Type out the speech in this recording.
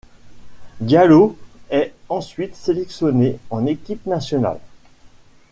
Diallo est ensuite sélectionné en équipe nationale.